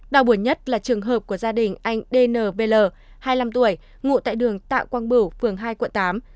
đầu buổi nhất là trường hợp của gia đình anh dn vl hai mươi năm tuổi ngụ tại đường tạ quang bửu phường hai quận tám